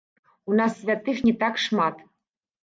У нас святых не так шмат.